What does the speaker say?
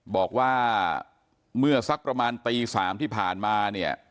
บอกว่าเมื่อสักประมาณตี๓ที่ผ่านมาเนี่ย